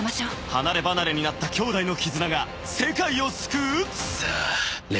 ［離れ離れになった兄弟の絆が世界を救う！？］